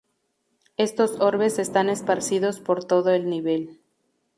Estos orbes están esparcidos por todo el nivel.